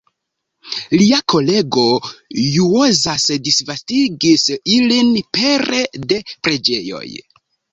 Lia kolego Juozas disvastigis ilin pere de preĝejoj.